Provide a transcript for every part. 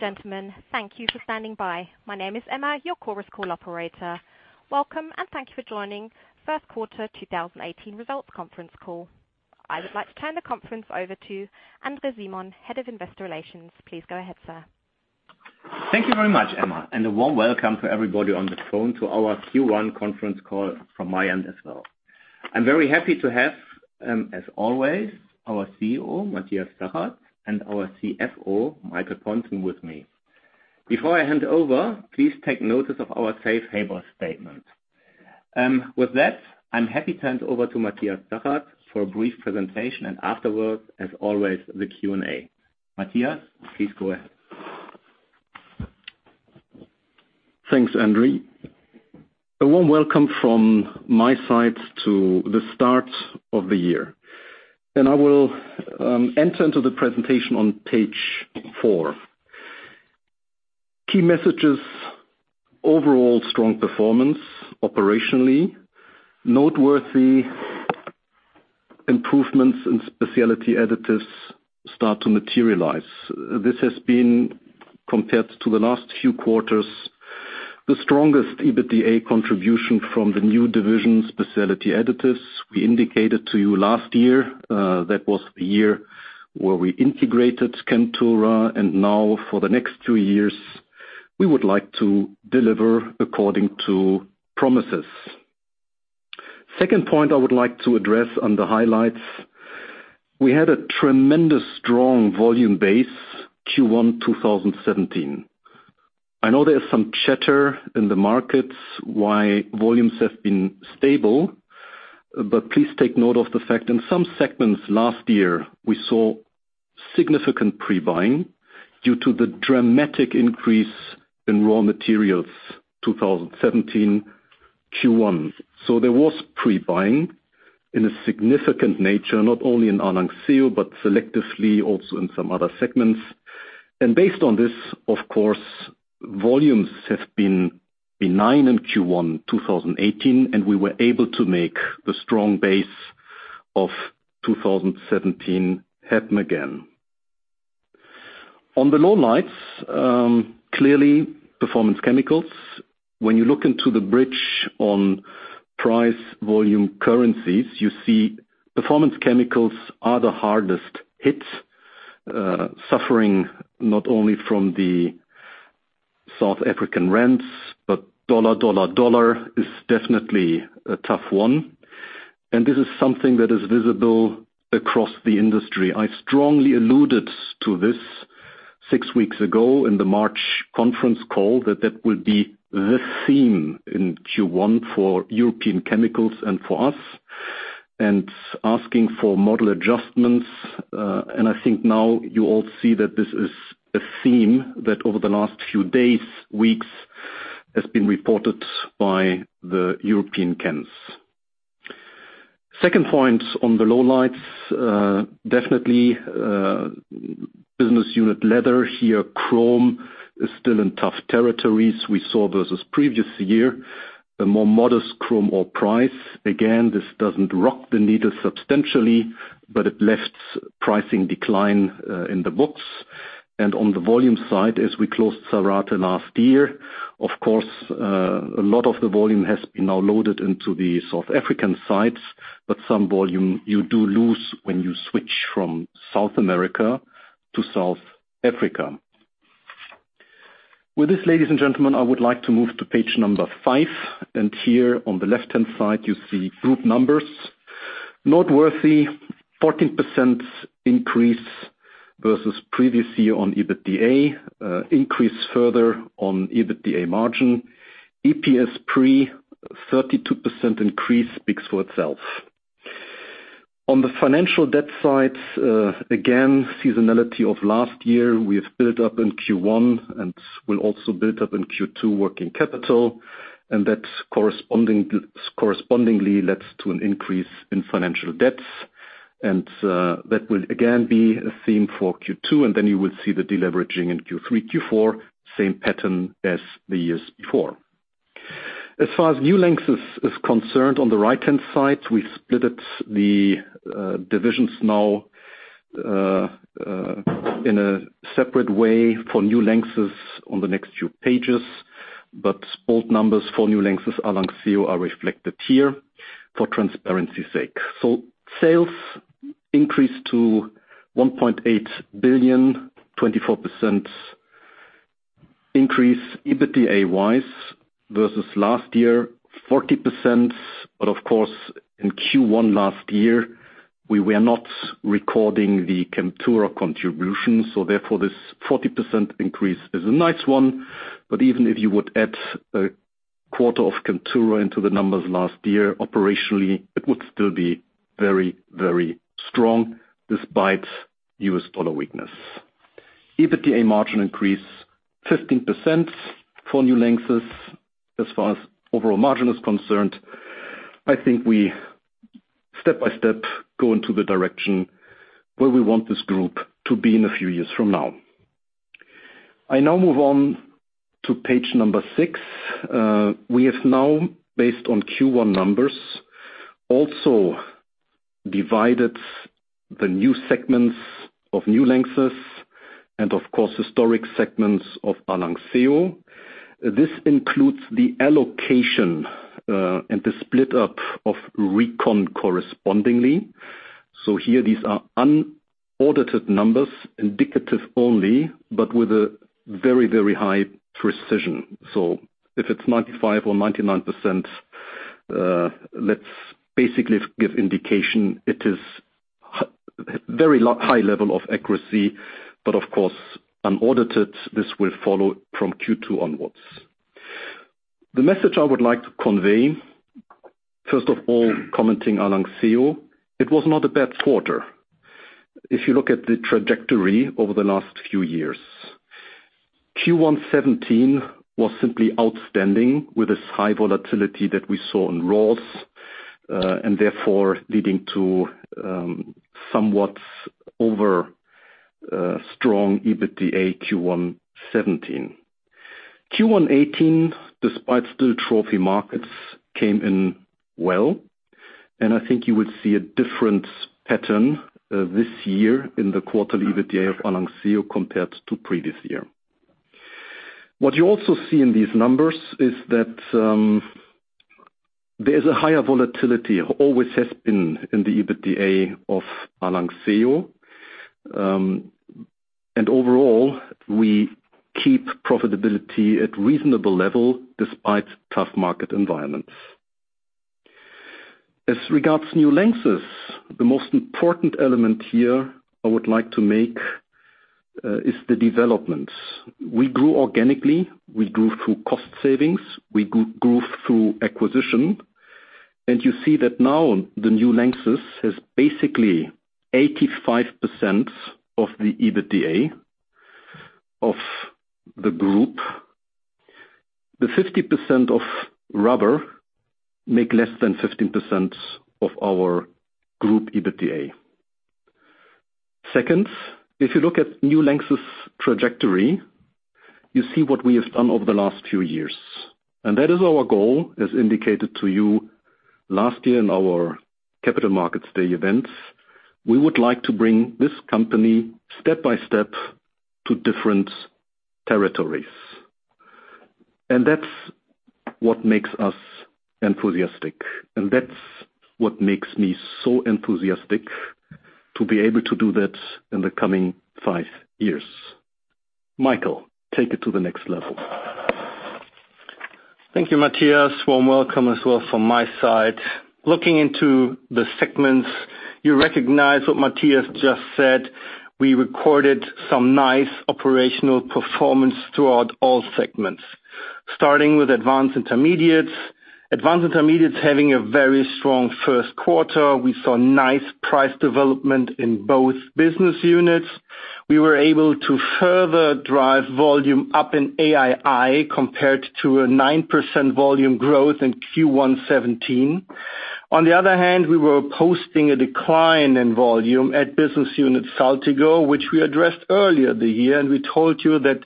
Ladies and gentlemen, thank you for standing by. My name is Emma, your Chorus Call operator. Welcome, and thank you for joining first quarter 2018 results conference call. I would like to turn the conference over to André Simon, Head of Investor Relations. Please go ahead, sir. Thank you very much, Emma, a warm welcome to everybody on the phone to our Q1 conference call from my end as well. I am very happy to have, as always, our CEO, Matthias Zachert, and our CFO, Michael Pontzen, with me. Before I hand over, please take notice of our safe harbor statement. With that, I am happy to hand over to Matthias Zachert for a brief presentation, and afterwards, as always, the Q&A. Matthias, please go ahead. Thanks, André. A warm welcome from my side to the start of the year. I will enter into the presentation on Page four. Key messages, overall strong performance operationally. Noteworthy improvements in Specialty Additives start to materialize. This has been compared to the last few quarters, the strongest EBITDA contribution from the new division, Specialty Additives. We indicated to you last year, that was the year where we integrated Chemtura, and now for the next two years, we would like to deliver according to promises. Second point I would like to address on the highlights, we had a tremendous strong volume base Q1 2017. I know there is some chatter in the markets why volumes have been stable, but please take note of the fact in some segments last year, we saw significant pre-buying due to the dramatic increase in raw materials 2017 Q1. There was pre-buying in a significant nature, not only in Lanxess, but selectively also in some other segments. Based on this, of course, volumes have been benign in Q1 2018, and we were able to make the strong base of 2017 happen again. On the lowlights, clearly Performance Chemicals. When you look into the bridge on price volume currencies, you see Performance Chemicals are the hardest hit, suffering not only from the ZAR, but the U.S. dollar is definitely a tough one. This is something that is visible across the industry. I strongly alluded to this six weeks ago in the March conference call that that will be the theme in Q1 for European chemicals and for us, and asking for model adjustments. I think now you all see that this is a theme that over the last few days, weeks, has been reported by the European chems. Second point on the lowlights, definitely business unit Leather. Here, chrome is still in tough territories. We saw versus previous year, a more modest chrome ore price. Again, this doesn't rock the needle substantially, but it left pricing decline in the books. On the volume side, as we closed Zárate last year, of course, a lot of the volume has been now loaded into the South African sites, but some volume you do lose when you switch from South America to South Africa. Ladies and gentlemen, I would like to move to page 5, and here on the left-hand side, you see group numbers. Noteworthy, 14% increase versus previous year on EBITDA, increase further on EBITDA margin. EPS pre, 32% increase speaks for itself. On the financial debt side, again, seasonality of last year. We have built up in Q1 and will also build up in Q2, working capital, and that correspondingly leads to an increase in financial debts. That will again be a theme for Q2, and then you will see the deleveraging in Q3, Q4, same pattern as the years before. As far as New Lanxess is concerned, on the right-hand side, we've splitted the divisions now in a separate way for New Lanxess on the next few pages, but both numbers for New Lanxess at Lanxess are reflected here for transparency's sake. Sales increased to 1.8 billion, 24% increase EBITDA-wise versus last year, 40%. Of course, in Q1 last year, we were not recording the Chemtura contribution, so therefore this 40% increase is a nice one. Even if you would add a quarter of Chemtura into the numbers last year, operationally, it would still be very strong despite US dollar weakness. EBITDA margin increase 15% for New Lanxess. As far as overall margin is concerned, I think we step-by-step go into the direction where we want this group to be in a few years from now. I now move on to page 6. We have now, based on Q1 numbers, also divided the new segments of New Lanxess and of course, historic segments of ARLANXEO. This includes the allocation and the split up of reconciliation correspondingly. Here these are unaudited numbers, indicative only, but with a very high precision. If it's 95% or 99%, let's basically give indication it is very high level of accuracy, but of course, unaudited. This will follow from Q2 onwards. The message I would like to convey, first of all, commenting ARLANXEO, it was not a bad quarter. If you look at the trajectory over the last few years. Q1 2017 was simply outstanding with this high volatility that we saw in raws, and therefore leading to somewhat over strong EBITDA Q1 2017. Q1 2018, despite still trophy markets, came in well, and I think you would see a different pattern this year in the quarterly EBITDA of ARLANXEO compared to previous year. What you also see in these numbers is that there's a higher volatility, always has been in the EBITDA of ARLANXEO. Overall, we keep profitability at reasonable level despite tough market environments. As regards New Lanxess, the most important element here I would like to make, is the developments. We grew organically. We grew through cost savings. We grew through acquisition. You see that now the New Lanxess has basically 85% of the EBITDA of the group. The 50% of rubber make less than 15% of our group EBITDA. Second, if you look at New Lanxess trajectory, you see what we have done over the last few years. That is our goal, as indicated to you last year in our Capital Markets Day events. We would like to bring this company step by step to different territories. That's what makes us enthusiastic, and that's what makes me so enthusiastic to be able to do that in the coming five years. Michael, take it to the next level. Thank you, Matthias. Warm welcome as well from my side. Looking into the segments, you recognize what Matthias just said. We recorded some nice operational performance throughout all segments. Starting with Advanced Intermediates. Advanced Intermediates having a very strong first quarter. We saw nice price development in both business units. We were able to further drive volume up in AII compared to a 9% volume growth in Q1 2017. On the other hand, we were posting a decline in volume at business unit Saltigo, which we addressed earlier the year. We told you that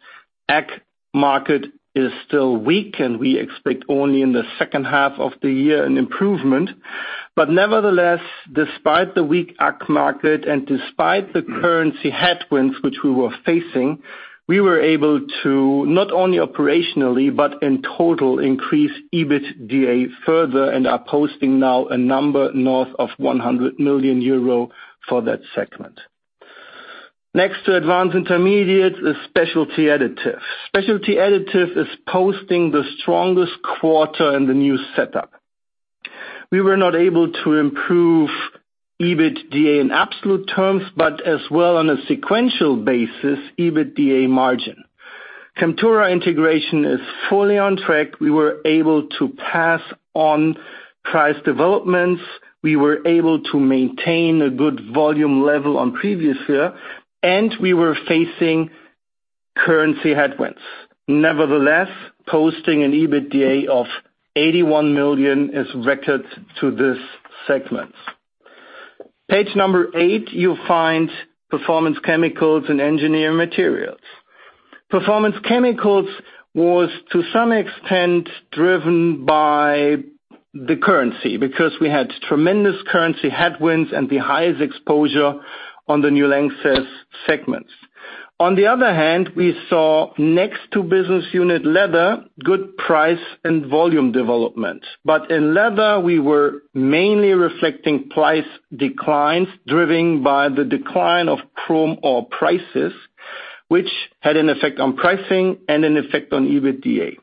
ag market is still weak and we expect only in the second half of the year an improvement. Nevertheless, despite the weak ag market and despite the currency headwinds which we were facing, we were able to not only operationally but in total increase EBITDA further and are posting now a number north of 100 million euro for that segment. Next to Advanced Intermediates is Specialty Additives. Specialty Additives is posting the strongest quarter in the new setup. We were not able to improve EBITDA in absolute terms, but as well on a sequential basis, EBITDA margin. Chemtura integration is fully on track. We were able to pass on price developments. We were able to maintain a good volume level on previous year. We were facing currency headwinds. Nevertheless, posting an EBITDA of 81 million is record to this segment. Page number eight, you'll find Performance Chemicals and Engineering Materials. Performance Chemicals was to some extent driven by the currency, because we had tremendous currency headwinds and the highest exposure on the New Lanxess segments. On the other hand, we saw next to business unit Leather, good price and volume development. In Leather, we were mainly reflecting price declines driven by the decline of chrome ore prices, which had an effect on pricing and an effect on EBITDA.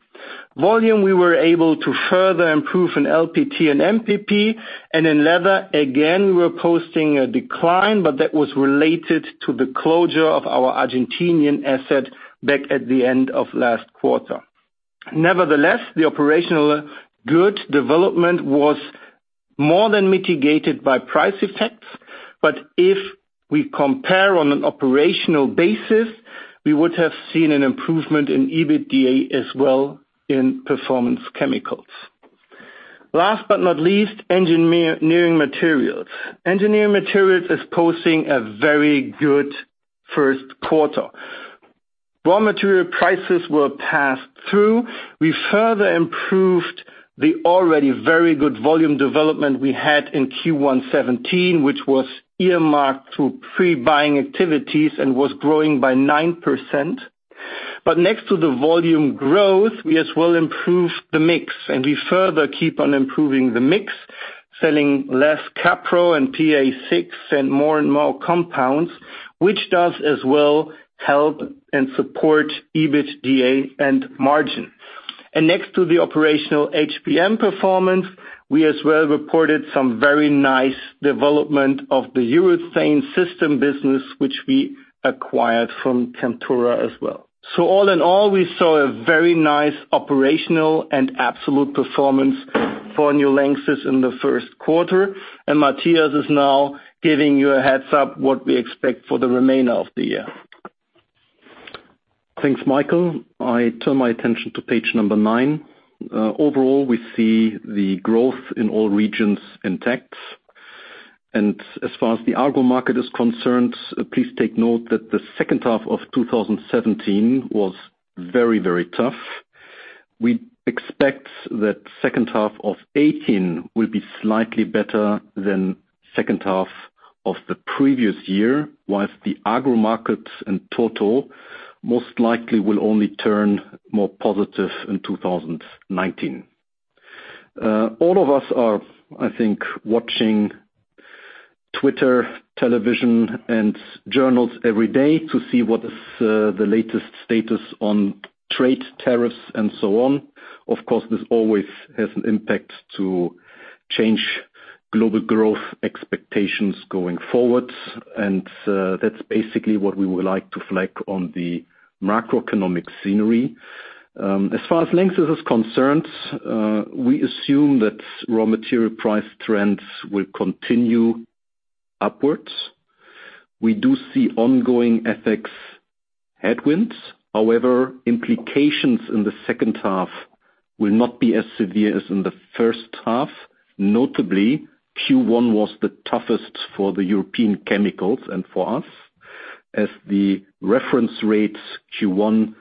Volume, we were able to further improve in LPT and MPP and in Leather, again, we were posting a decline, but that was related to the closure of our Argentinian asset back at the end of last quarter. Nevertheless, the operational good development was more than mitigated by price effects. If we compare on an operational basis, we would have seen an improvement in EBITDA as well in Performance Chemicals. Last but not least, Engineering Materials. Engineering Materials is posting a very good first quarter. Raw material prices were passed through. We further improved the already very good volume development we had in Q1 2017, which was earmarked through pre-buying activities and was growing by 9%. Next to the volume growth, we as well improved the mix and we further keep on improving the mix, selling less CAPRO and PA6 and more and more compounds, which does as well help and support EBITDA and margin. Next to the operational HPM performance, we as well reported some very nice development of the Urethane Systems business, which we acquired from Chemtura as well. All in all, we saw a very nice operational and absolute performance for New Lanxess in the first quarter, and Matthias is now giving you a heads up what we expect for the remainder of the year. Thanks, Michael. I turn my attention to page number nine. Overall, we see the growth in all regions intact. As far as the agro market is concerned, please take note that the second half of 2017 was very tough. We expect that second half of 2018 will be slightly better than second half of the previous year, whilst the agro market in total most likely will only turn more positive in 2019. All of us are, I think, watching Twitter, television, and journals every day to see what is the latest status on trade tariffs and so on. Of course, this always has an impact to change global growth expectations going forward. That's basically what we would like to flag on the macroeconomic scenery. As far as Lanxess is concerned, we assume that raw material price trends will continue upwards. We do see ongoing FX headwinds. However, implications in the second half will not be as severe as in the first half. Notably, Q1 was the toughest for the European chemicals and for us as the reference rates Q1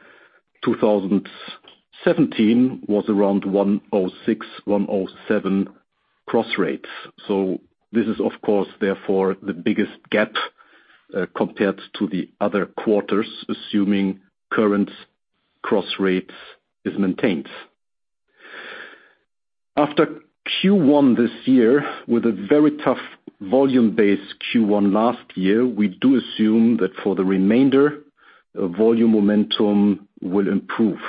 2017 was around 106, 107 cross rates. This is, of course, therefore the biggest gap, compared to the other quarters, assuming current cross rates is maintained. After Q1 this year with a very tough volume-based Q1 last year, we do assume that for the remainder, volume momentum will improve.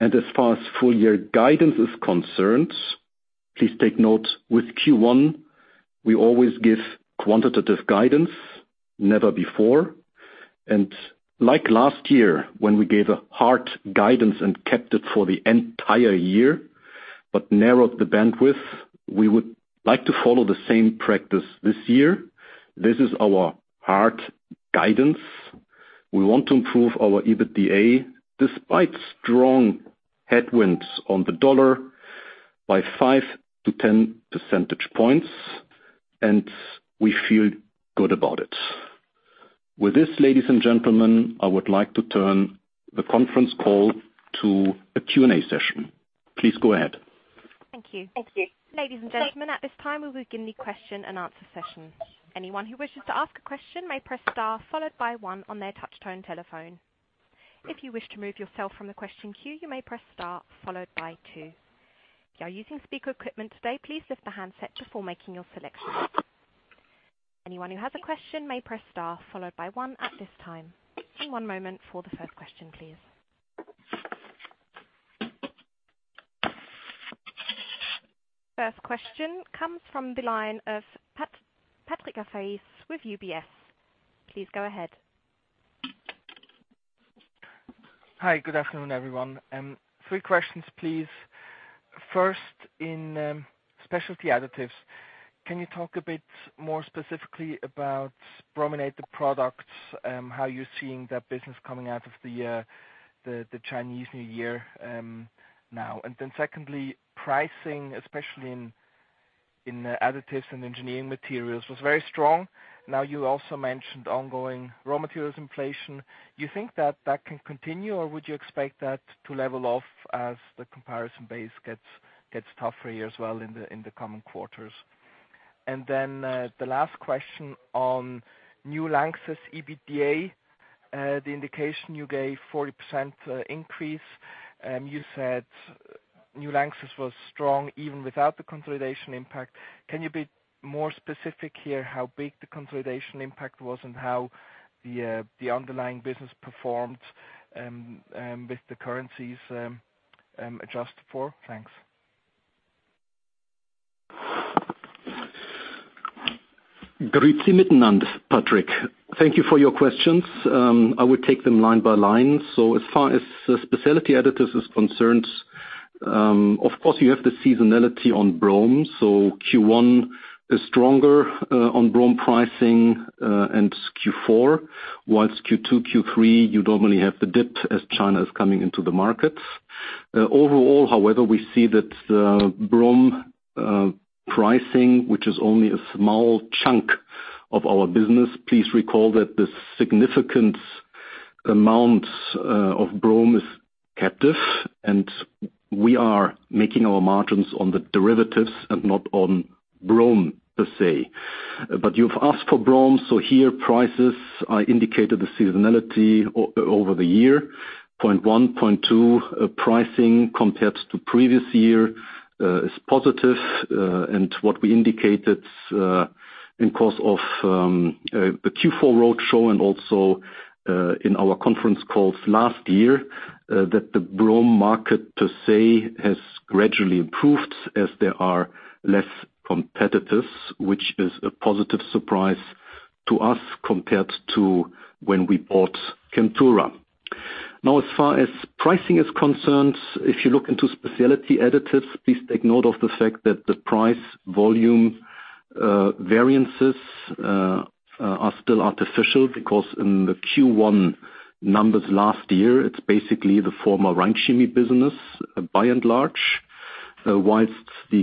As far as full year guidance is concerned, please take note with Q1, we always give quantitative guidance, never before. Like last year when we gave a hard guidance and kept it for the entire year but narrowed the bandwidth, we would like to follow the same practice this year. This is our hard guidance. We want to improve our EBITDA despite strong headwinds on the US dollar by 5-10 percentage points, we feel good about it. With this, ladies and gentlemen, I would like to turn the conference call to a Q&A session. Please go ahead. Thank you. Ladies and gentlemen, at this time, we will begin the question and answer session. Anyone who wishes to ask a question may press star followed by one on their touch-tone telephone. If you wish to remove yourself from the question queue, you may press star followed by two. If you are using speaker equipment today, please lift the handset before making your selection. Anyone who has a question may press star followed by one at this time. One moment for the first question, please. First question comes from the line of Patrick Rafferty with UBS. Please go ahead. Hi. Good afternoon, everyone. Three questions, please. First, in Specialty Additives, can you talk a bit more specifically about brominated products, how you're seeing that business coming out of the Chinese New Year now? You also mentioned ongoing raw materials inflation. You think that that can continue, or would you expect that to level off as the comparison base gets tougher a year as well in the coming quarters? The last question on New Lanxess EBITDA, the indication you gave 40% increase. You said New Lanxess was strong even without the consolidation impact. Can you be more specific here how big the consolidation impact was and how the underlying business performed with the currencies adjusted for? Thanks. Patrick. Thank you for your questions. I will take them line by line. As far as Specialty Additives is concerned, of course you have the seasonality on bromine. Q1 is stronger on bromine pricing, and Q4, whilst Q2, Q3, you normally have the dip as China is coming into the markets. Overall, however, we see that the bromine pricing, which is only a small chunk of our business. Please recall that the significant amount of bromine is captive, and we are making our margins on the derivatives and not on bromine per se. You've asked for bromine, here prices are indicated the seasonality over the year. Point one, point two, pricing compared to previous year is positive and what we indicated in course of the Q4 roadshow and also in our conference calls last year, that the bromine market to say, has gradually improved as there are less competitors, which is a positive surprise to us compared to when we bought Chemtura. As far as pricing is concerned, if you look into Specialty Additives, please take note of the fact that the price-volume variances are still artificial because in the Q1 numbers last year, it's basically the former Rhein Chemie business by and large, whilst the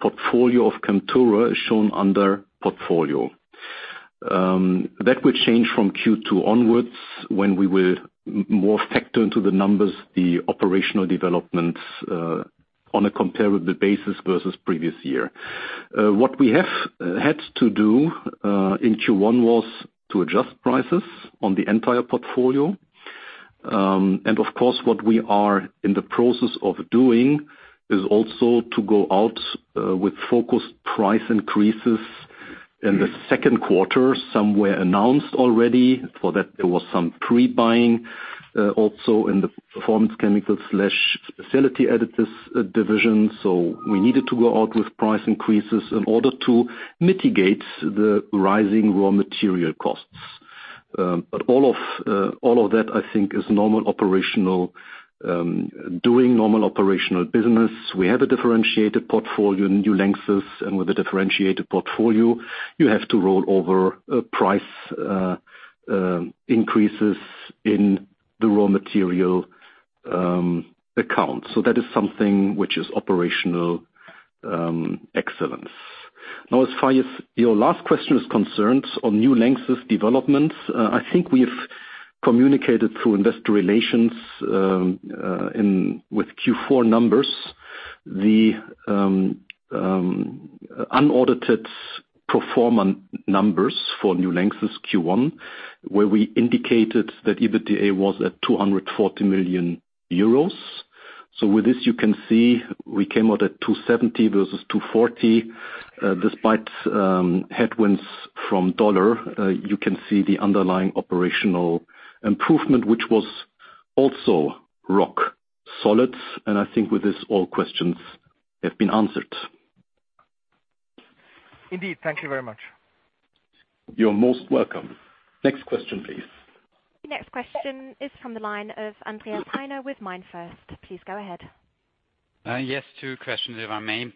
portfolio of Chemtura is shown under portfolio. That will change from Q2 onwards when we will more factor into the numbers the operational developments on a comparable basis versus previous year. What we have had to do, in Q1 was to adjust prices on the entire portfolio. Of course, what we are in the process of doing is also to go out with focused price increases in the second quarter, some were announced already. For that there was some pre-buying also in the Performance Chemicals/Specialty Additives division. We needed to go out with price increases in order to mitigate the rising raw material costs. All of that I think is doing normal operational business. We have a differentiated portfolio in New Lanxess, and with a differentiated portfolio, you have to roll over price increases in the raw material account. That is something which is operational excellence. As far as your last question is concerned on New Lanxess developments, I think we've communicated through investor relations with Q4 numbers, the unaudited performance numbers for New Lanxess Q1, where we indicated that EBITDA was at 240 million euros. With this, you can see we came out at 270 versus 240, despite headwinds from US dollar. You can see the underlying operational improvement, which was also rock solid. I think with this, all questions have been answered. Indeed. Thank you very much. You're most welcome. Next question, please. Next question is from the line of Andreas Heine with MainFirst. Please go ahead. Yes, two questions, if I may.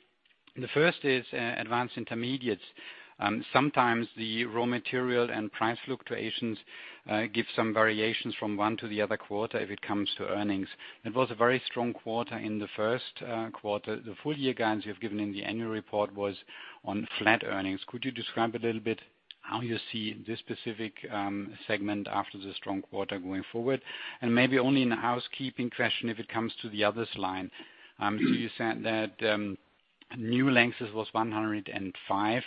The first is Advanced Intermediates. Sometimes the raw material and price fluctuations give some variations from one to the other quarter if it comes to earnings. It was a very strong quarter in the first quarter. The full-year guidance you've given in the annual report was on flat earnings. Could you describe a little bit how you see this specific segment after the strong quarter going forward? And maybe only in a housekeeping question if it comes to the others line. You said that New Lanxess was 105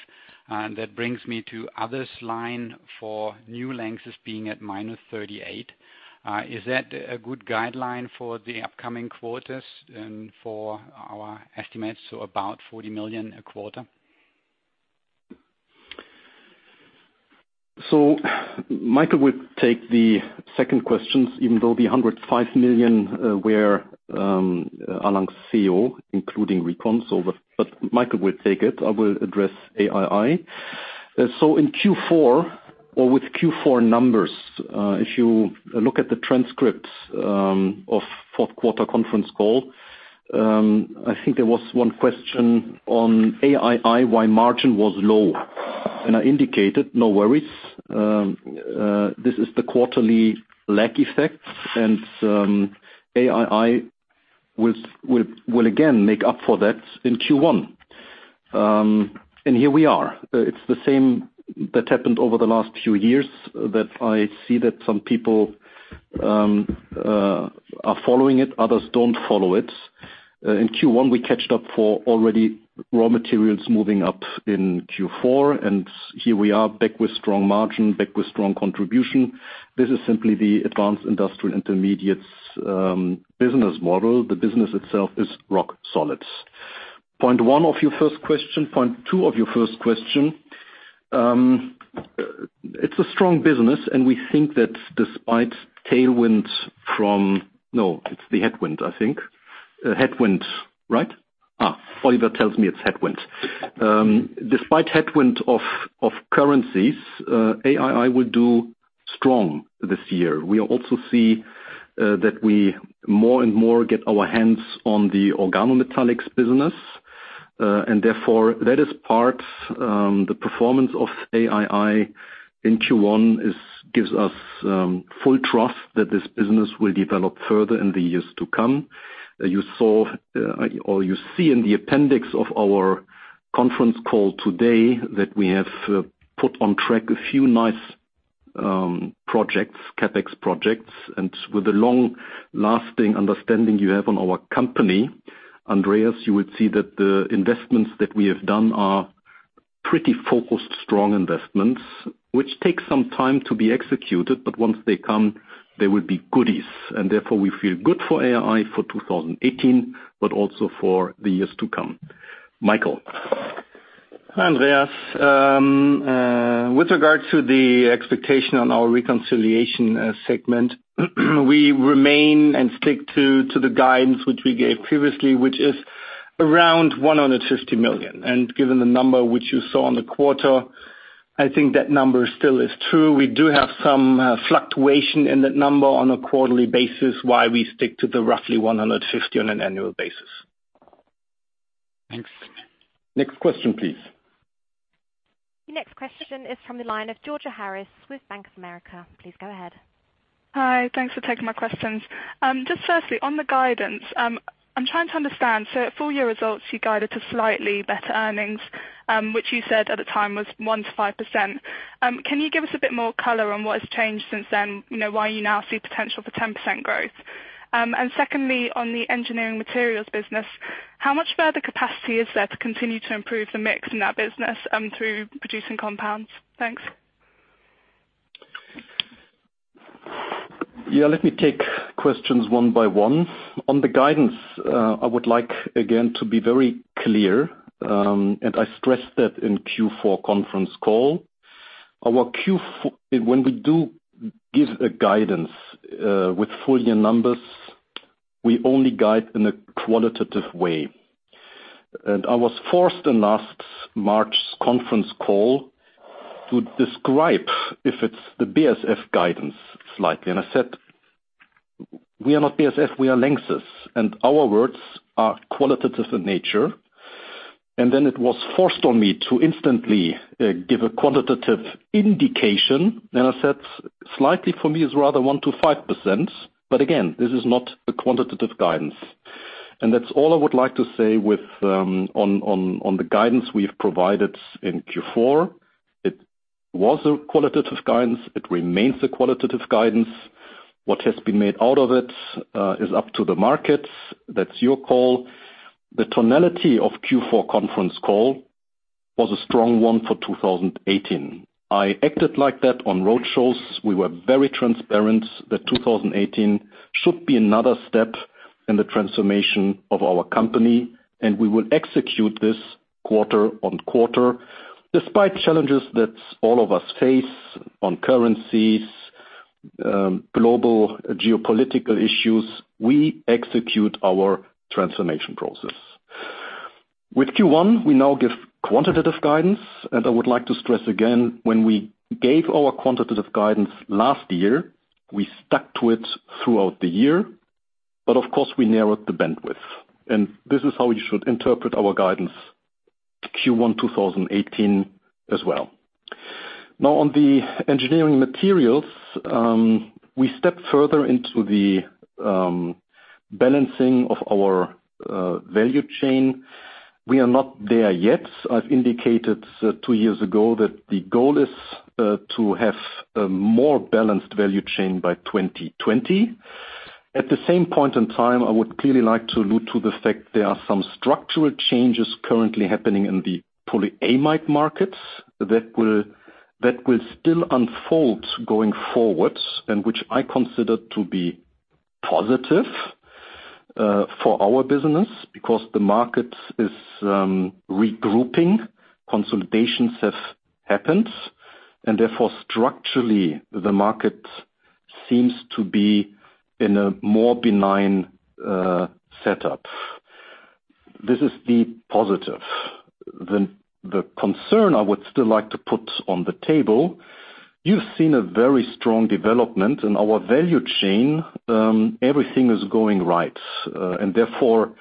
million, that brings me to others line for New Lanxess being at minus 38 million. Is that a good guideline for the upcoming quarters and for our estimates, about 40 million a quarter? Michael will take the second questions, even though the 105 million were ARLANXEO, including recon. Michael will take it. I will address AII. In Q4 or with Q4 numbers, if you look at the transcripts of fourth quarter conference call, I think there was one question on AII, why margin was low. I indicated no worries, this is the quarterly lag effect and AII will again make up for that in Q1. Here we are. It's the same that happened over the last few years that I see that some people are following it, others don't follow it. In Q1, we catched up for already raw materials moving up in Q4, and here we are back with strong margin, back with strong contribution. This is simply the Advanced Intermediates business model. The business itself is rock solid. Point one of your first question, point two of your first question, it's a strong business and we think that despite tailwind from No, it's the headwind, I think. Headwind, right? Oliver tells me it's headwind. Despite headwind of currencies, AII will do strong this year. We also see that we more and more get our hands on the organometallics business. Therefore, that is part the performance of AII in Q1 gives us full trust that this business will develop further in the years to come. You see in the appendix of our conference call today that we have put on track a few nice projects, CapEx projects, and with the long-lasting understanding you have on our company, Andreas, you would see that the investments that we have done are pretty focused, strong investments, which takes some time to be executed. Once they come, they will be goodies. Therefore, we feel good for AII for 2018, but also for the years to come. Michael. Hi, Andreas. With regards to the expectation on our reconciliation segment, we remain and stick to the guidance which we gave previously, which is around 150 million. Given the number which you saw on the quarter, I think that number still is true. We do have some fluctuation in that number on a quarterly basis, why we stick to the roughly 150 on an annual basis. Thanks. Next question, please. The next question is from the line of Georgina Clemens with Bank of America. Please go ahead. Hi. Thanks for taking my questions. Firstly, on the guidance, I'm trying to understand. At full year results, you guided to slightly better earnings, which you said at the time was 1%-5%. Can you give us a bit more color on what has changed since then? Why you now see potential for 10% growth? Secondly, on the Engineering Materials business, how much further capacity is there to continue to improve the mix in that business through producing compounds? Thanks. Let me take questions one by one. On the guidance, I would like, again, to be very clear, I stressed that in Q4 conference call. When we do give a guidance with full year numbers, we only guide in a qualitative way. I was forced in last March's conference call to describe if it's the BASF guidance slightly. I said, "We are not BASF, we are Lanxess, and our words are qualitative in nature." Then it was forced on me to instantly give a quantitative indication. I said, "Slightly for me is rather 1%-5%." Again, this is not a quantitative guidance. That's all I would like to say on the guidance we've provided in Q4. It was a qualitative guidance. It remains a qualitative guidance. What has been made out of it is up to the market. That's your call. The tonality of Q4 conference call was a strong one for 2018. I acted like that on road shows. We were very transparent that 2018 should be another step in the transformation of our company, we will execute this quarter-on-quarter. Despite challenges that all of us face on currencies, global geopolitical issues, we execute our transformation process. With Q1, we now give quantitative guidance, I would like to stress again, when we gave our quantitative guidance last year, we stuck to it throughout the year. Of course, we narrowed the bandwidth. This is how you should interpret our guidance Q1 2018 as well. On the Engineering Materials, we step further into the balancing of our value chain. We are not there yet. I've indicated two years ago that the goal is to have a more balanced value chain by 2020. At the same point in time, I would clearly like to allude to the fact there are some structural changes currently happening in the polyamide markets that will still unfold going forward, which I consider to be positive for our business because the market is regrouping. Consultations have happened, therefore structurally, the market seems to be in a more benign setup. This is the positive. The concern I would still like to put on the table, you've seen a very strong development in our value chain. Everything is going right. Therefore,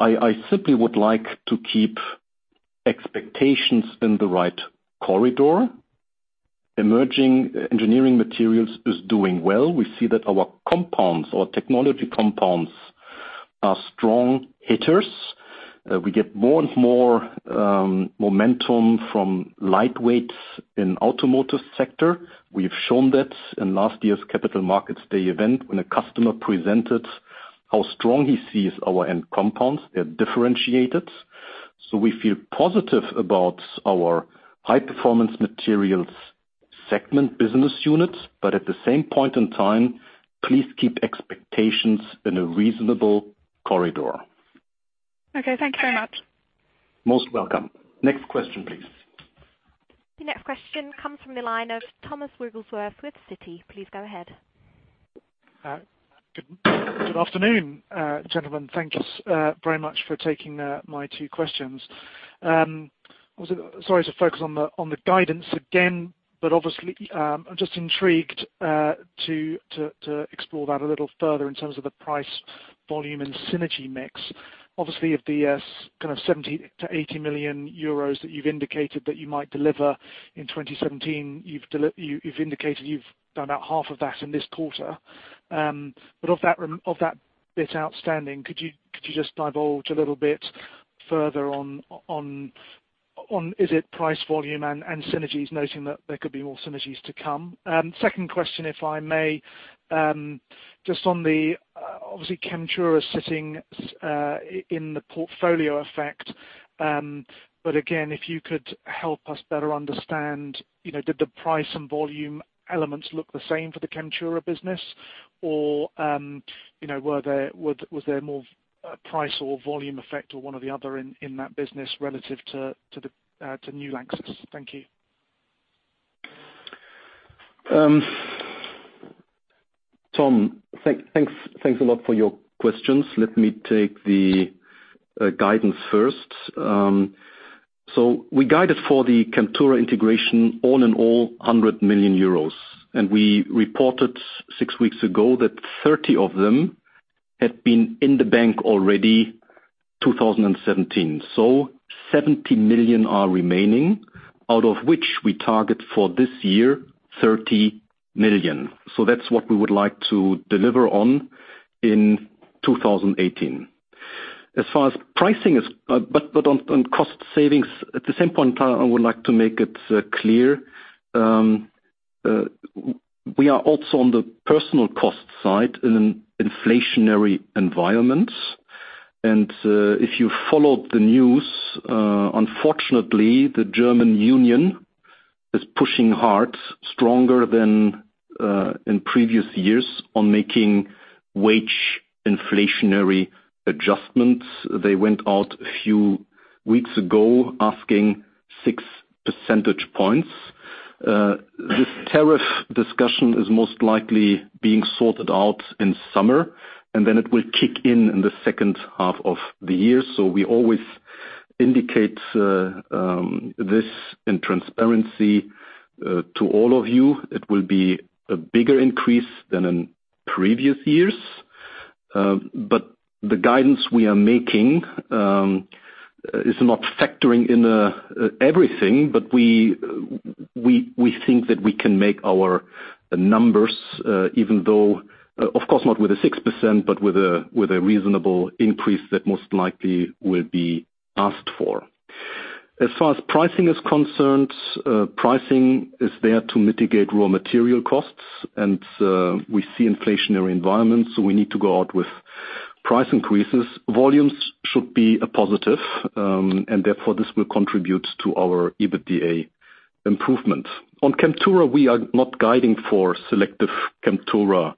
I simply would like to keep expectations in the right corridor. Emerging Engineering Materials is doing well. We see that our compounds, our technology compounds are strong hitters. We get more and more momentum from lightweights in automotive sector. We've shown that in last year's Capital Markets Day event when a customer presented how strong he sees our end compounds. They're differentiated. We feel positive about our High Performance Materials segment business units. At the same point in time, please keep expectations in a reasonable corridor. Okay. Thank you very much. Most welcome. Next question, please. The next question comes from the line of Thomas Wrigglesworth with Citi. Please go ahead. Good afternoon, gentlemen. Thank you very much for taking my two questions. Obviously, I'm just intrigued to explore that a little further in terms of the price, volume, and synergy mix. Obviously, of the 70 million-80 million euros that you've indicated that you might deliver in 2017, you've indicated you've done about half of that in this quarter. Of that bit outstanding, could you just divulge a little bit further on, is it price volume and synergies, noting that there could be more synergies to come? Second question, if I may. Just on the obviously Chemtura sitting in the portfolio effect. Again, if you could help us better understand, did the price and volume elements look the same for the Chemtura business? Was there more price or volume effect or one or the other in that business relative to New Lanxess? Thank you. Tom, thanks a lot for your questions. Let me take the guidance first. We guided for the Chemtura integration all in all, 100 million euros. We reported six weeks ago that 30 of them had been in the bank already 2017. 70 million are remaining, out of which we target for this year, 30 million. That's what we would like to deliver on in 2018. As far as pricing is. On cost savings at the same point in time, I would like to make it clear, we are also on the personal cost side in an inflationary environment. If you followed the news, unfortunately, the German Union is pushing hard, stronger than in previous years on making wage inflationary adjustments. They went out a few weeks ago asking six percentage points. This tariff discussion is most likely being sorted out in summer. It will kick in in the second half of the year. We always indicate this in transparency to all of you. It will be a bigger increase than in previous years. The guidance we are making, is not factoring in everything, but we think that we can make our numbers, even though, of course, not with the 6%, but with a reasonable increase that most likely will be asked for. As far as pricing is concerned, pricing is there to mitigate raw material costs. We see inflationary environments, we need to go out with price increases. Volumes should be a positive. Therefore this will contribute to our EBITDA improvement. On Chemtura, we are not guiding for selective Chemtura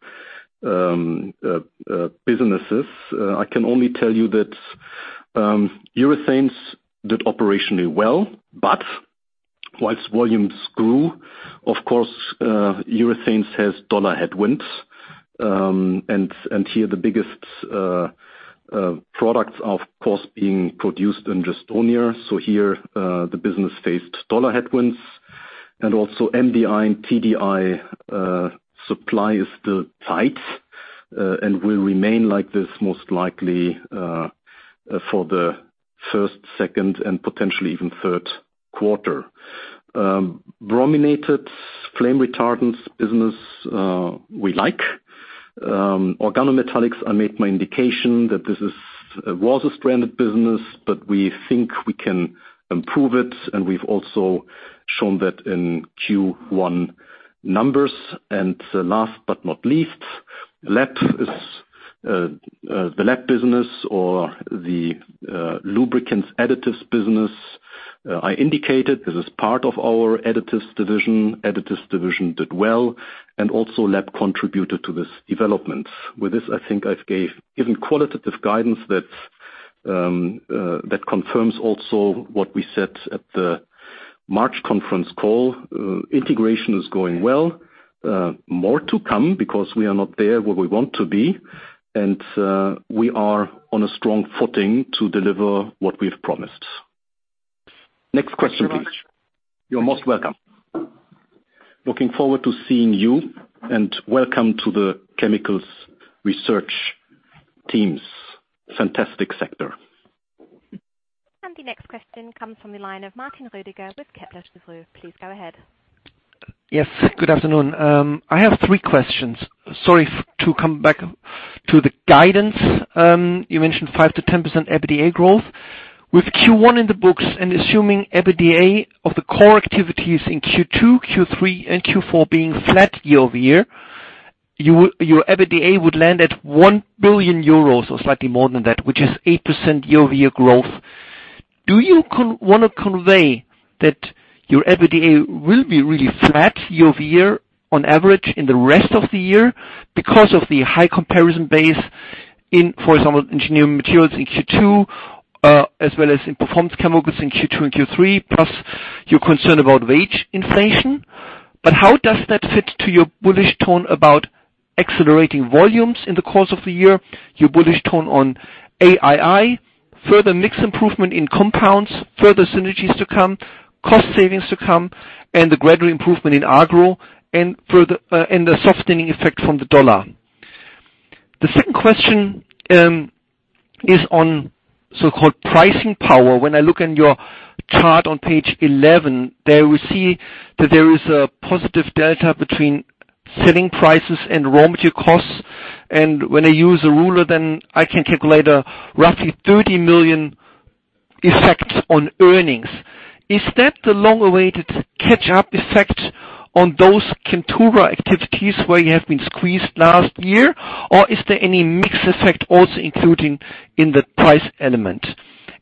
businesses. I can only tell you that Urethane Systems did operationally well. Whilst volumes grew, of course, Urethane Systems has USD headwinds. Here the biggest products are, of course, being produced in Estonia. Here, the business faced USD headwinds. Also MDI and TDI supply is still tight, and will remain like this most likely, for the first, second, and potentially even third quarter. brominated flame retardants business, we like. organometallics, I made my indication that this was a stranded business, but we think we can improve it, and we've also shown that in Q1 numbers. Last but not least, the LAB business or the Lubricant Additives Business. I indicated this is part of our Specialty Additives. Specialty Additives did well. Also LAB contributed to this development. With this, I think I've given qualitative guidance that confirms also what we said at the March conference call. Integration is going well. More to come because we are not there where we want to be. We are on a strong footing to deliver what we've promised. Next question, please. Thank you very much. You're most welcome. Looking forward to seeing you and welcome to the chemicals research teams. Fantastic sector. The next question comes from the line of Martin Roediger with Kepler Cheuvreux. Please go ahead. Yes. Good afternoon. I have three questions. Sorry to come back to the guidance. You mentioned 5%-10% EBITDA growth. With Q1 in the books and assuming EBITDA of the core activities in Q2, Q3, and Q4 being flat year-over-year, your EBITDA would land at 1 billion euros or slightly more than that, which is 8% year-over-year growth. Do you want to convey that your EBITDA will be really flat year-over-year on average in the rest of the year because of the high comparison base in, for example, Engineering Materials in Q2, as well as in Performance Chemicals in Q2 and Q3, plus you're concerned about wage inflation? How does that fit to your bullish tone about accelerating volumes in the course of the year, your bullish tone on AII, further mix improvement in compounds, further synergies to come, cost savings to come, the gradual improvement in Agro, and the softening effect from the U.S. dollar? The second question is on so-called pricing power. When I look in your chart on page 11, there we see that there is a positive delta between selling prices and raw material costs. When I use a ruler, I can calculate a roughly 30 million effect on earnings. Is that the long-awaited catch-up effect on those Chemtura activities where you have been squeezed last year? Is there any mix effect also including in the price element?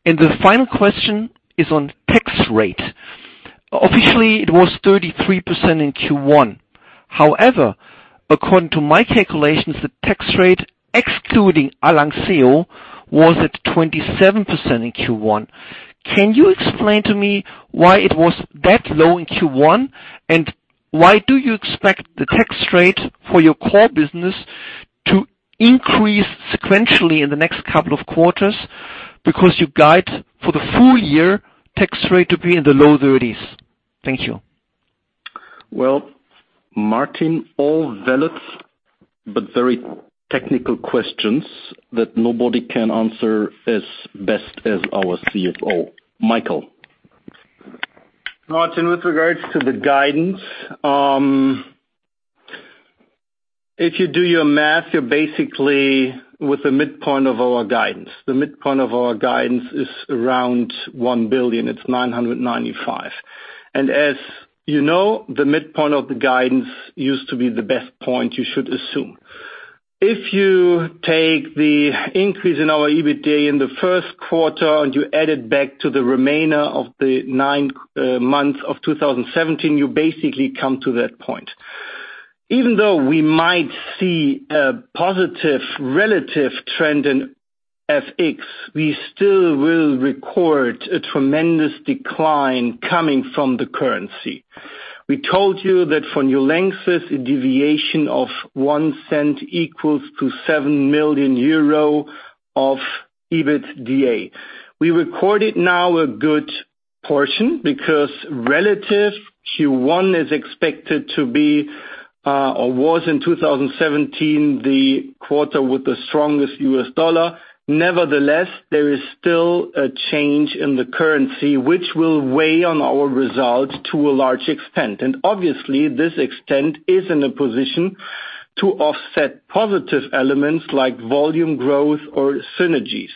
The final question is on tax rate. Officially, it was 33% in Q1. However, according to my calculations, the tax rate excluding ARLANXEO was at 27% in Q1. Can you explain to me why it was that low in Q1, and why do you expect the tax rate for your core business to increase sequentially in the next couple of quarters? You guide for the full-year tax rate to be in the low 30s. Thank you. Well, Martin, all valid but very technical questions that nobody can answer as best as our CFO, Michael. Martin, with regards to the guidance, if you do your math, you're basically with the midpoint of our guidance. The midpoint of our guidance is around 1 billion. It's 995 million. As you know, the midpoint of the guidance used to be the best point you should assume. If you take the increase in our EBITDA in the first quarter and you add it back to the remainder of the nine months of 2017, you basically come to that point. Even though we might see a positive relative trend in FX, we still will record a tremendous decline coming from the currency. We told you that for New Lanxess, a deviation of 0.01 equals to €7 million of EBITDA. We recorded now a good portion because relative Q1 is expected to be, or was in 2017, the quarter with the strongest US dollar. Nevertheless, there is still a change in the currency, which will weigh on our results to a large extent. Obviously, this extent is in a position to offset positive elements like volume growth or synergies.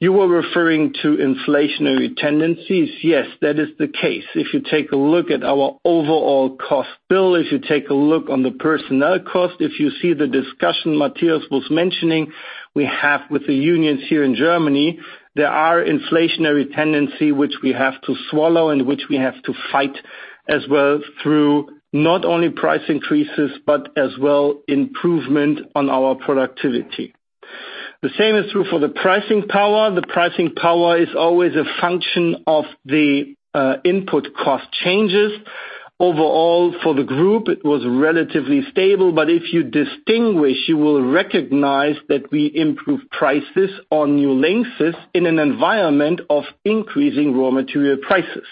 You were referring to inflationary tendencies. Yes, that is the case. If you take a look at our overall cost bill, if you take a look on the personnel cost, if you see the discussion Matthias was mentioning we have with the unions here in Germany, there are inflationary tendency which we have to swallow and which we have to fight as well through not only price increases, but as well improvement on our productivity. The same is true for the pricing power. The pricing power is always a function of the input cost changes. Overall for the group, it was relatively stable, but if you distinguish, you will recognize that we improved prices on New Lanxess in an environment of increasing raw material prices.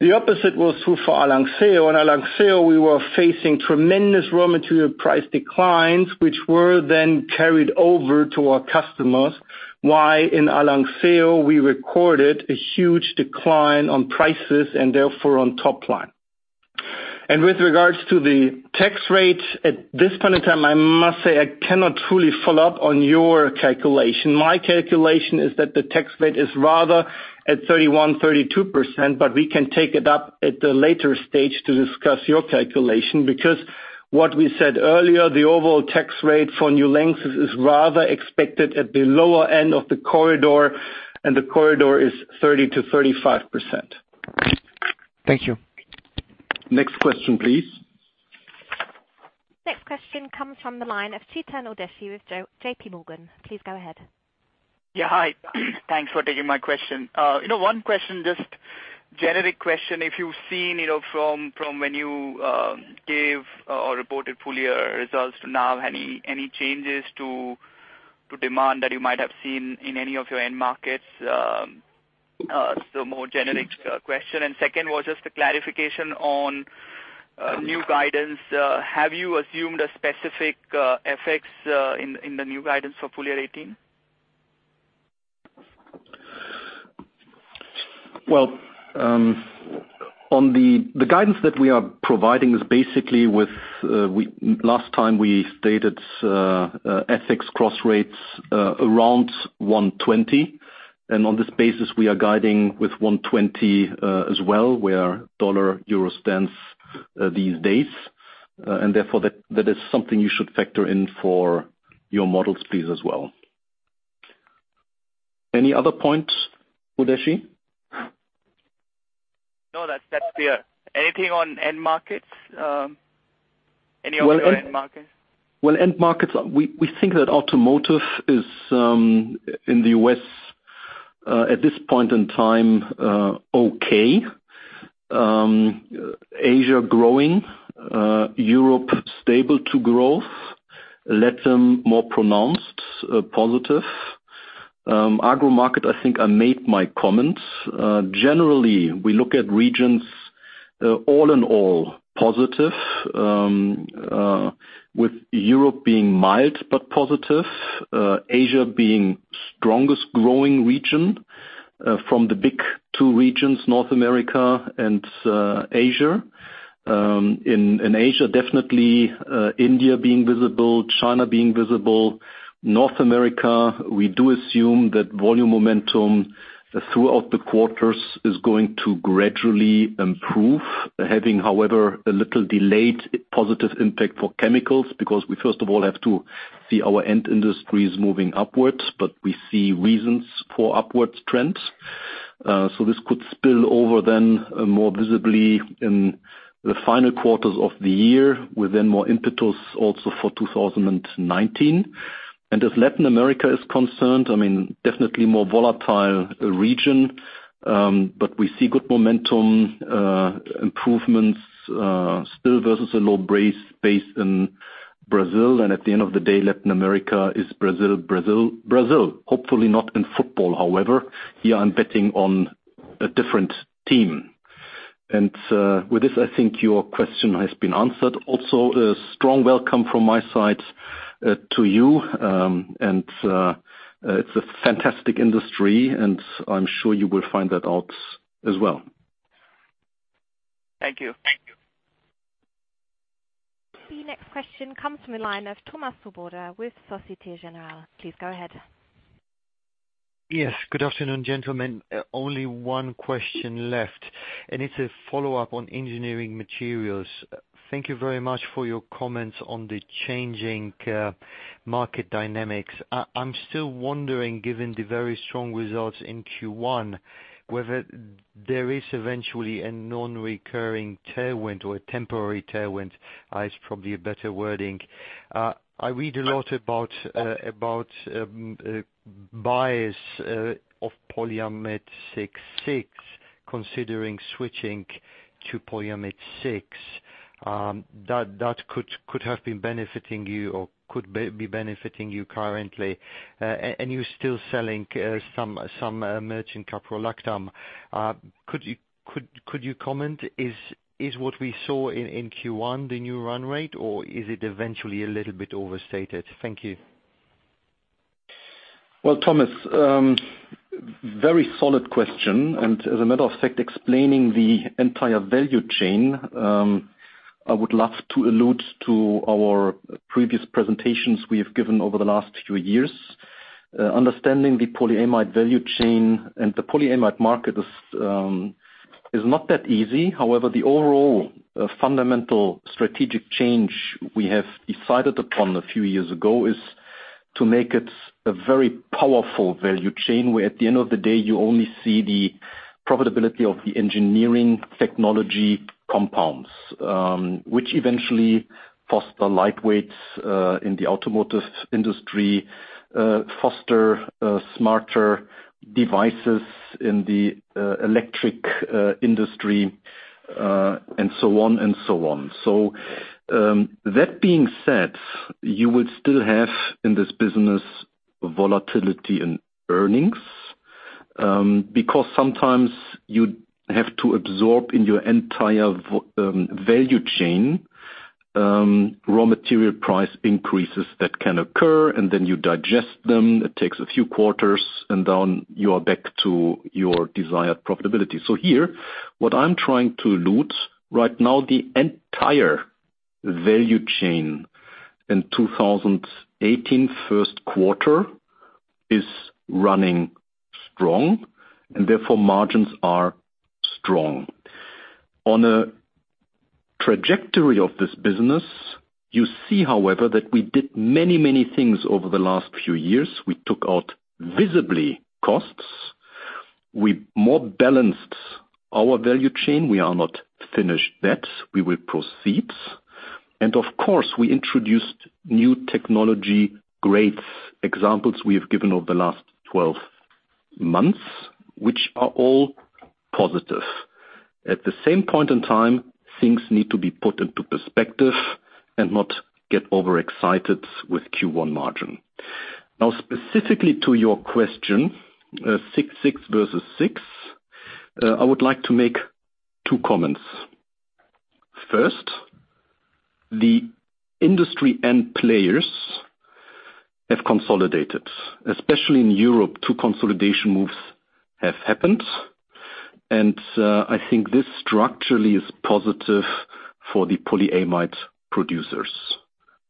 The opposite was true for ARLANXEO. In ARLANXEO, we were facing tremendous raw material price declines, which were then carried over to our customers. Why? In ARLANXEO, we recorded a huge decline on prices and therefore on top line. With regards to the tax rate, at this point in time, I must say I cannot truly follow up on your calculation. My calculation is that the tax rate is rather at 31%-32%, but we can take it up at a later stage to discuss your calculation, because what we said earlier, the overall tax rate for New Lanxess is rather expected at the lower end of the corridor, and the corridor is 30%-35%. Thank you. Next question, please. Next question comes from the line of Tuhin Udeshi with J.P. Morgan. Please go ahead. Yeah, hi. Thanks for taking my question. One question, just generic question. If you've seen from when you gave or reported full year results to now, any changes to demand that you might have seen in any of your end markets? More generic question. Second was just a clarification on new guidance. Have you assumed a specific FX in the new guidance for full year 2018? Well, the guidance that we are providing is basically with, last time we stated FX cross rates around 1.20. On this basis, we are guiding with 1.20 as well, where dollar-euro stands these days. Therefore, that is something you should factor in for your models, please, as well. Any other points, Tuhin Udeshi? No, that's clear. Anything on end markets? Any other end markets? Well, end markets. We think that automotive is in the U.S. at this point in time, okay. Asia growing. Europe stable to growth. LATAM more pronounced positive. Agro market, I think I made my comments. Generally, we look at regions all in all positive, with Europe being mild but positive. Asia being strongest growing region from the big two regions, North America and Asia. In Asia, definitely India being visible, China being visible. North America, we do assume that volume momentum throughout the quarters is going to gradually improve. Having, however, a little delayed positive impact for chemicals because we, first of all, have to see our end industries moving upwards, but we see reasons for upwards trends. This could spill over then more visibly in the final quarters of the year, with then more impetus also for 2019. As Latin America is concerned, definitely a more volatile region. We see good momentum improvements still versus a low base in Brazil. At the end of the day, Latin America is Brazil. Hopefully not in football, however. Here I'm betting on a different team. With this, I think your question has been answered. Also, a strong welcome from my side to you. It's a fantastic industry, and I'm sure you will find that out as well. Thank you. The next question comes from the line of Thomas Swoboda with Societe Generale. Please go ahead. Yes. Good afternoon, gentlemen. Only one question left, and it's a follow-up on Engineering Materials. Thank you very much for your comments on the changing market dynamics. I'm still wondering, given the very strong results in Q1, whether there is eventually a non-recurring tailwind or a temporary tailwind is probably a better wording. I read a lot about bias of polyamide 6/6 considering switching to polyamide 6. That could have been benefiting you or could be benefiting you currently. You're still selling some merchant caprolactam. Could you comment, is what we saw in Q1 the new run rate, or is it eventually a little bit overstated? Thank you. Well, Thomas, very solid question, and as a matter of fact, explaining the entire value chain. I would love to allude to our previous presentations we have given over the last few years. Understanding the polyamide value chain and the polyamide market is not that easy. However, the overall fundamental strategic change we have decided upon a few years ago is to make it a very powerful value chain, where at the end of the day, you only see the profitability of the engineering technology compounds. Which eventually foster lightweights in the automotive industry, foster smarter devices in the electric industry, and so on and so on. That being said, you would still have, in this business, volatility in earnings. Because sometimes you have to absorb in your entire value chain raw material price increases that can occur, and then you digest them. It takes a few quarters. Then you are back to your desired profitability. Here, what I'm trying to allude right now, the entire value chain in 2018 first quarter is running strong. Therefore margins are strong. On a trajectory of this business, you see, however, that we did many things over the last few years. We took out visibly costs. We more balanced our value chain. We are not finished yet. We will proceed. Of course, we introduced new technology grades. Examples we have given over the last 12 months, which are all positive. At the same point in time, things need to be put into perspective and not get overexcited with Q1 margin. Now, specifically to your question, 6/6 versus 6. I would like to make two comments. First, the industry end players have consolidated. Especially in Europe, two consolidation moves have happened. I think this structurally is positive for the polyamide producers.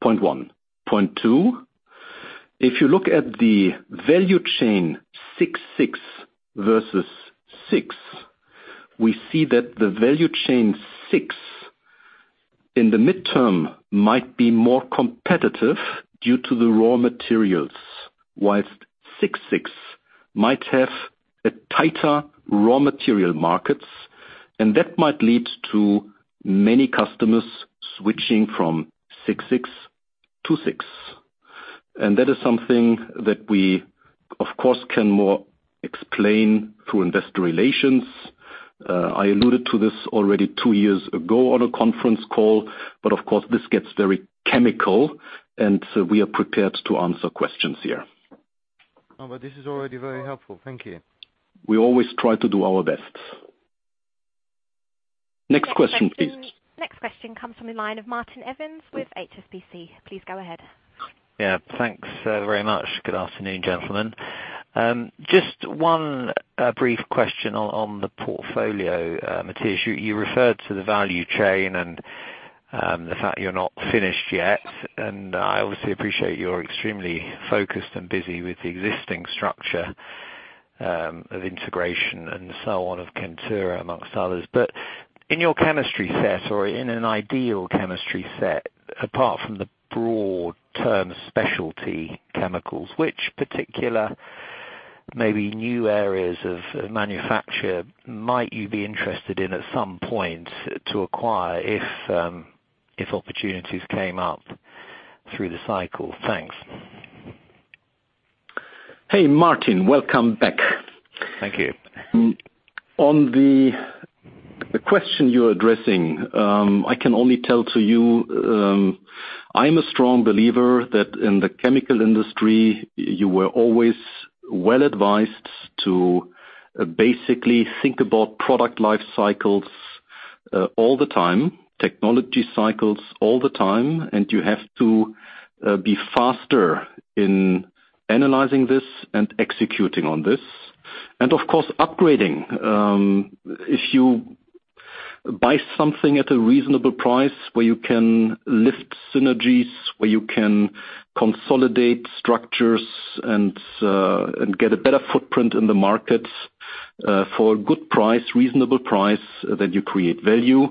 Point one. Point two, if you look at the value chain 6/6 versus 6, we see that the value chain 6 in the midterm might be more competitive due to the raw materials, whilst 6/6 might have a tighter raw material markets. That might lead to many customers switching from six-six to six. That is something that we, of course, can more explain through investor relations. I alluded to this already two years ago on a conference call. Of course, this gets very chemical. We are prepared to answer questions here. No, this is already very helpful. Thank you. We always try to do our best. Next question, please. Next question comes from the line of Martin Evans with HSBC. Please go ahead. Yeah. Thanks very much. Good afternoon, gentlemen. Just one brief question on the portfolio. Matthias, you referred to the value chain and the fact you're not finished yet, and I obviously appreciate you're extremely focused and busy with the existing structure, of integration and so on, of Chemtura amongst others. In your chemistry set or in an ideal chemistry set, apart from the broad term specialty chemicals, which particular maybe new areas of manufacture might you be interested in at some point to acquire if opportunities came up through the cycle? Thanks. Hey, Martin. Welcome back. Thank you. On the question you're addressing, I can only tell to you, I'm a strong believer that in the chemical industry, you were always well-advised to basically think about product life cycles all the time, technology cycles all the time, and you have to be faster in analyzing this and executing on this. Of course, upgrading. If you buy something at a reasonable price where you can lift synergies, where you can consolidate structures and get a better footprint in the markets for a good price, reasonable price, then you create value.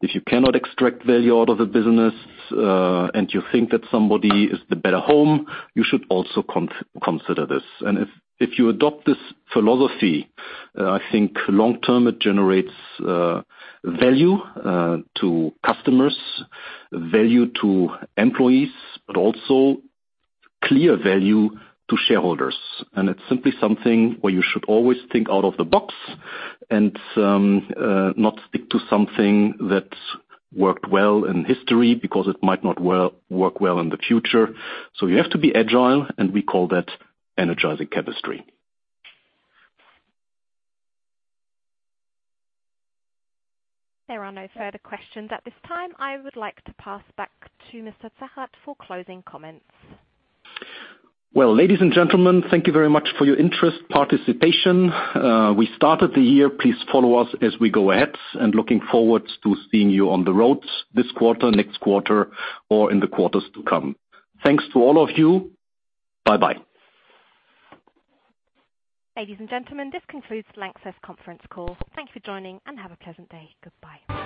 If you cannot extract value out of a business, and you think that somebody is the better home, you should also consider this. If you adopt this philosophy, I think long-term it generates value to customers, value to employees, but also clear value to shareholders. It's simply something where you should always think out of the box and not stick to something that worked well in history because it might not work well in the future. You have to be agile, and we call that Energizing Chemistry. There are no further questions at this time. I would like to pass back to Mr. Zachert for closing comments. Well, ladies and gentlemen, thank you very much for your interest, participation. We started the year, please follow us as we go ahead and looking forward to seeing you on the roads this quarter, next quarter, or in the quarters to come. Thanks to all of you. Bye-bye. Ladies and gentlemen, this concludes the Lanxess conference call. Thank you for joining, and have a pleasant day. Goodbye.